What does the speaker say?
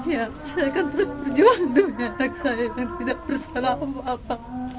ya saya akan terus berjuang dengan saya yang tidak bersalah untuk apa